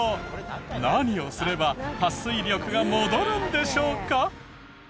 何をすればはっ水力が戻るんでしょうか？